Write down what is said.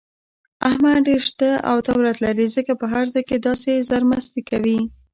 احمد ډېر شته او دولت لري، ځکه په هر ځای کې داسې زرمستي کوي.